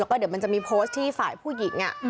แล้วก็เดี๋ยวมันจะมีโพสต์ที่ฝ่ายผู้หญิง